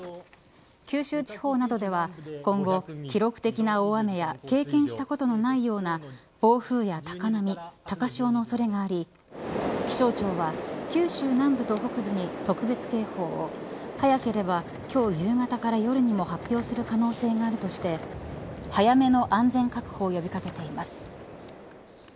九州地方などでは今後、記録的な大雨や経験したことのないような暴風や高波、高潮の恐れがあり気象庁は九州南部と北部に特別警報を早ければ今日夕方から夜にも発表する可能性があるとして早めの安全確保を呼び掛けています。